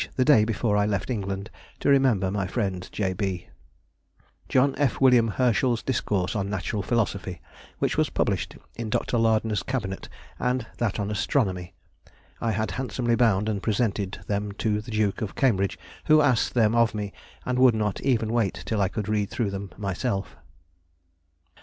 the day before I left England, to remember my friend, J. B.) John F. Wm. Herschel's Discourse on Nat. Philosophy, which was published in Dr. Lardner's Cabinet, and that on Astronomy, I had handsomely bound and presented them to the Duke of Cambridge, who asked them of me, and would not even wait till I could read them through myself.